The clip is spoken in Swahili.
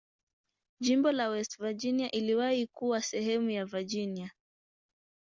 Jimbo la West Virginia iliwahi kuwa sehemu ya Virginia.